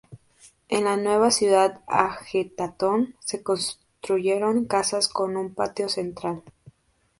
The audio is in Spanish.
En la nueva ciudad de Ajetatón se construyeron casas con un patio central.